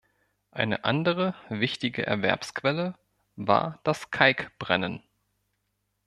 Eine andere wichtige Erwerbsquelle war das Kalkbrennen.